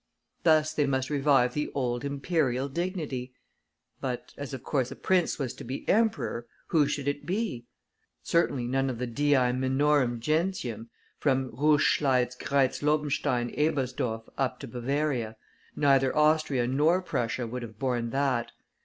Thus they must revive the old Imperial dignity. But as, of course, a prince was to be emperor who should it be? Certainly none of the Dii minorum gentium, from Reuss Schleitz Greitz Lobenstein Ebersdorf up to Bavaria; neither Austria nor Prussia would have borne that.